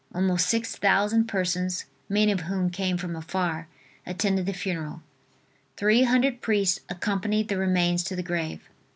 Almost six thousand persons, many of whom came from afar, attended the funeral. Three hundred priests accompanied the remains to the grave.